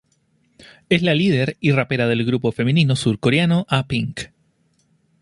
Es la líder y rapera del grupo femenino surcoreano A Pink.